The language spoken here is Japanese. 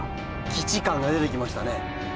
基地感が出てきましたね。